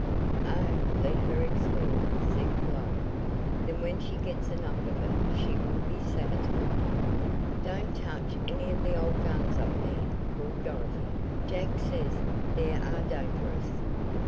"Oh, let her explore," said Cologne. "Then when she gets enough of it she will be satisfied." "Don't touch any of the old guns up there," called Dorothy, "Jack says there are dangerous."